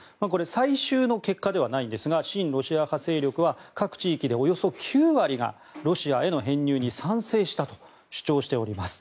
最終の結果ではないんですが親ロシア派勢力は各地域でおよそ９割がロシアへの編入に賛成したと主張しております。